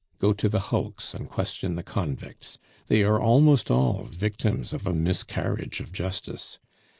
Go to the hulks and question the convicts; they are almost all victims of a miscarriage of justice.